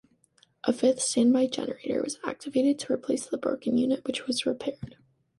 A fifth standby generator was activated to replace the broken unit, which was repaired.